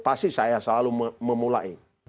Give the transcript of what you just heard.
pasti saya selalu memulai